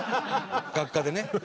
学科でね。